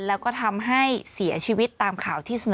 แล้วก็ทำให้เสียชีวิตตามข่าวที่เสนอ